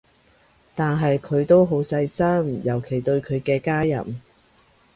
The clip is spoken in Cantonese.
但係佢都好細心，尤其對佢嘅家人